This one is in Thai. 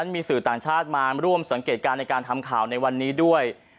มีสื่อต่างชาติมาร่วมสังเกตการณ์ในการทำข่าวในวันนี้ด้วย